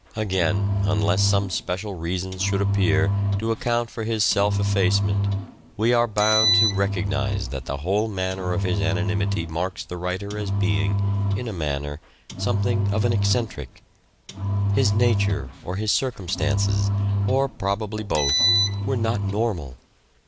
Apparent Again, unless some special reasons should appear eccentricity. ^o account for his self effacement we are bound to recognize that the whole manner of his anonymity marks the writer as being, in a manner, something of an eccentric : his nature, or his circumstances, or probably both, were not normal.